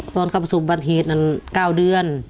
ตอนเขาประสบบัติเหตุนั้น๙เดือน